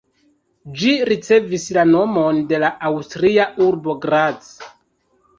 Ĝi ricevis la nomon de la aŭstria urbo Graz.